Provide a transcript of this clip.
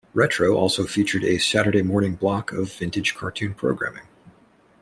Retro also featured a Saturday morning block of vintage cartoon programming.